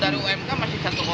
dari umk masih rp satu dua ratus